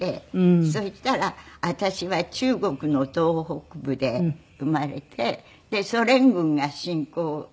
そしたら私は中国の東北部で生まれてでソ連軍が侵攻してきて。